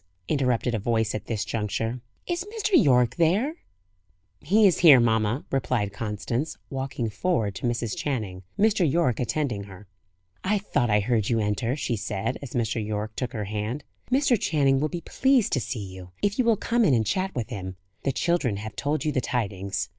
interrupted a voice at this juncture. "Is Mr. Yorke there?" "He is here, mamma," replied Constance, walking forward to Mrs. Channing, Mr. Yorke attending her. "I thought I heard you enter," she said, as Mr. Yorke took her hand. "Mr. Channing will be pleased to see you, if you will come in and chat with him. The children have told you the tidings.